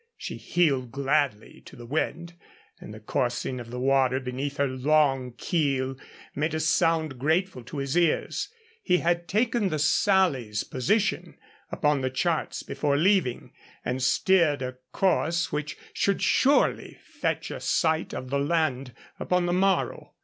She heeled gladly to the wind, and the coursing of the water beneath her long keel made a sound grateful to his ears. He had taken the Sally's position upon the charts before leaving, and steered a course which should surely fetch a sight of the land upon the morrow.